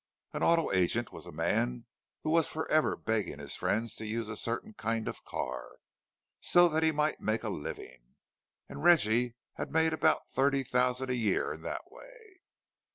An auto agent was a man who was for ever begging his friends to use a certain kind of car, so that he might make a living; and Reggie had made about thirty thousand a year in that way.